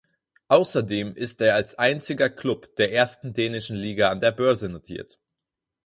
Außerdem ist er als einziger Club der ersten dänischen Liga an der Börse notiert.